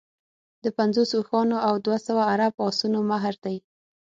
د پنځوسو اوښانو او دوه سوه عرب اسونو مهر دی.